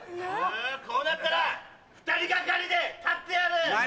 こうなったら２人がかりで立ってやる！